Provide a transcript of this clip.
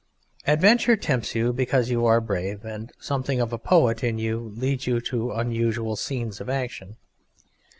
Adventure tempts you because you are brave, and something of a poet in you leads you to unusual scenes of action.